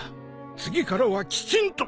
次からはきちんと。